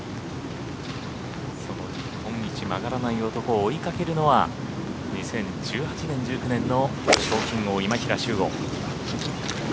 その日本一曲がらない男を追いかけるのは２０１８年、１９年の賞金王・今平周吾。